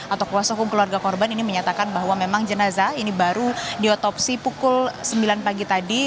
atau kuasa hukum keluarga korban ini menyatakan bahwa memang jenazah ini baru diotopsi pukul sembilan pagi tadi